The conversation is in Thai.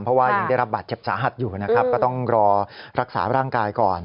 เพราะว่ายังได้รับบาดเจ็บสาหัสอยู่นะครับก็ต้องรอรักษาร่างกายก่อน